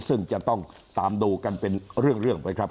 ซึ่งจะต้องตามดูกันเป็นเรื่องไปครับ